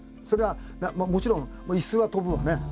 それはもちろん椅子は飛ぶわね。